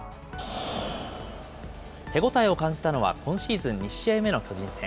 手応えを感じたのは、今シーズン２試合目の巨人戦。